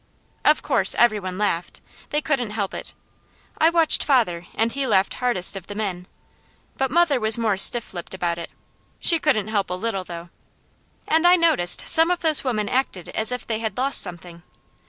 Of course every one laughed; they couldn't help it. I watched father and he laughed hardest of the men, but mother was more stiff lipped about it; she couldn't help a little, though. And I noticed some of those women acted as if they had lost something.